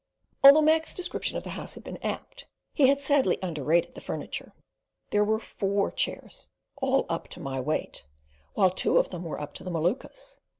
Although Mac's description of the House had been apt, he had sadly underrated the furniture. There were FOUR chairs, all "up" to my weight, while two of them were up to the Maluka's.